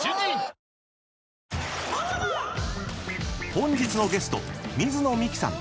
［本日のゲスト水野美紀さん］